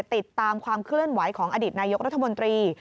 ติดตามความเคลื่อนไหวของอดีตนายกรัฐมนตรี